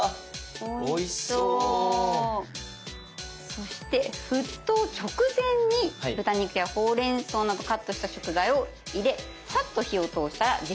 そして沸騰直前に豚肉やほうれんそうなどカットした食材を入れさっと火を通したら出来上がり。